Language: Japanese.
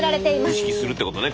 意識するってことね